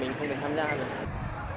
mọi người xung quanh mới ngỡ ngàng nhận ra